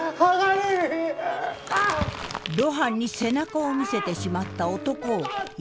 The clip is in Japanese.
露伴に背中を見せてしまった男を異変が襲う。